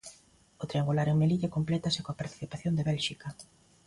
O triangular en Melilla complétase coa participación de Bélxica.